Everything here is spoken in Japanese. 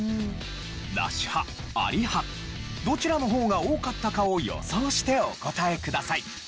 ナシ派アリ派どちらの方が多かったかを予想してお答えください。